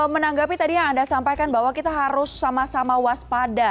menanggapi tadi yang anda sampaikan bahwa kita harus sama sama waspada